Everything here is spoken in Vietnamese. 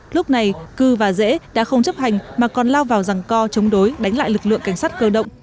lúc này cư và dễ đã không chấp hành mà còn lao vào rằng co chống đối đánh lại lực lượng cảnh sát cơ động